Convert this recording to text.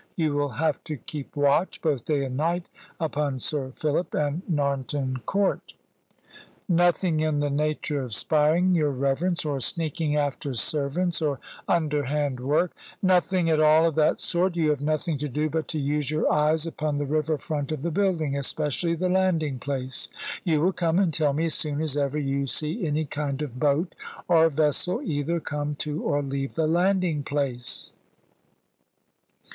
You will have to keep watch, both day and night, upon Sir Philip and Narnton Court." "Nothing in the nature of spying, your reverence, or sneaking after servants, or underhand work " "Nothing at all of that sort. You have nothing to do but to use your eyes upon the river front of the building, especially the landing place. You will come and tell me as soon as ever you see any kind of boat or vessel either come to or leave the landing place.